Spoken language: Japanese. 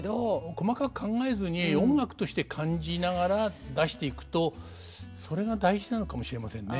細かく考えずに音楽として感じながら出していくとそれが大事なのかもしれませんね。